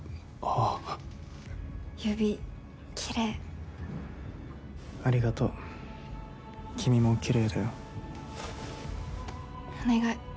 指きれいありがとう君もきれいだよお願い